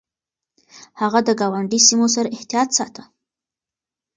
هغه د ګاونډي سيمو سره احتياط ساته.